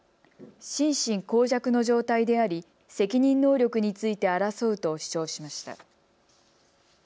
心神耗弱の状態であり責任能力について争うと主張しました。